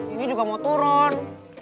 ini juga mau turun